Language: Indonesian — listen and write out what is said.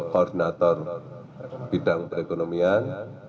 koordinator bidang perekonomian